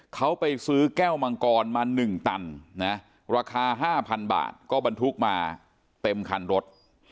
เขาไปซื้อแก้วมังกรมาหนึ่งตันราคาห้าพันบาทก็บรรทุกมาเต็มคันรถ